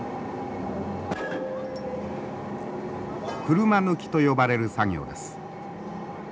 車抜きと呼ばれる作業です。